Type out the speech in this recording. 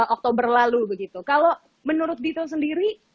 oktober lalu begitu kalau menurut dito sendiri